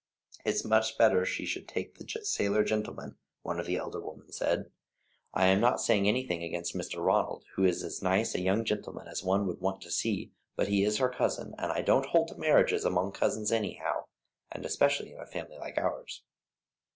"It's much better she should take the sailor gentleman," one of the elder women said. "I am not saying anything against Mr. Ronald, who is as nice a young gentleman as one would want to see, but he is her cousin, and I don't hold to marriages among cousins anyhow, and especially in a family like ours."